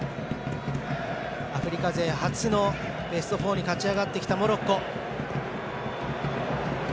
アフリカ勢初のベスト４に勝ち上がってきたモロッコ。